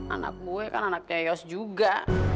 anak gue kan anaknya yos juga